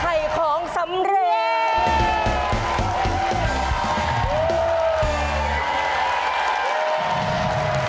ไข่ของสำเร็จ